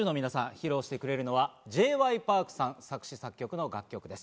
披露してくれるのはＪ．Ｙ．Ｐａｒｋさん作詞・作曲の楽曲です。